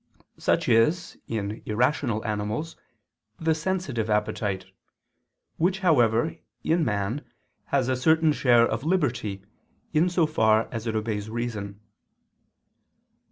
Such is, in irrational animals, the sensitive appetite, which, however, in man, has a certain share of liberty, in so far as it obeys reason.